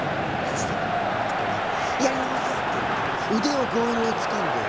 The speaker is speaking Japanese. そしたら男の人が「やり直そう」って言って腕を強引につかんで。